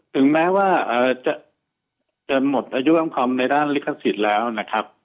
ถึงแม้ว่าจะหมดอายุความในด้านลิขสิทธิ์แล้วนะครับ